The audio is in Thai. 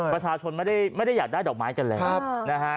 ประชาชนไม่ได้อยากได้ดอกไม้กันแล้วนะฮะ